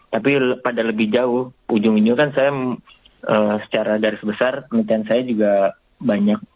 tapi pada lebih jauh ujung ujungnya kan saya secara garis besar penelitian saya juga banyak